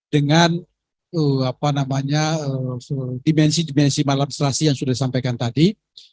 dengan dimensi dimensi malam strasi yang sudah disampaikan tadi